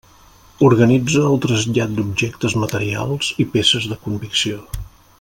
Organitza el trasllat d'objectes materials i peces de convicció.